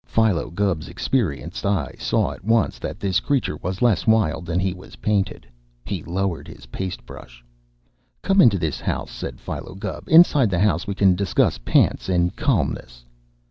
Philo Gubb's experienced eye saw at once that this creature was less wild than he was painted. He lowered the paste brush. "Come into this house," said Philo Gubb. "Inside the house we can discuss pants in calmness."